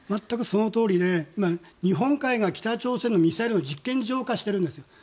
全くそのとおりで日本海が北朝鮮のミサイルの実験事象化しているんです。